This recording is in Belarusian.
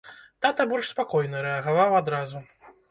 Тата больш спакойна рэагаваў адразу.